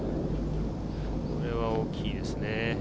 これは大きいですね。